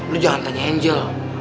lo jangan tanya angel